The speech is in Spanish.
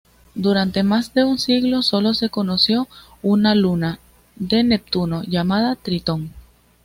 Durante más de un siglo sólo se conoció una luna de Neptuno, llamada Tritón.